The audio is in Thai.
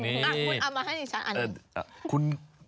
คุณเอามาให้ฉันอันนี้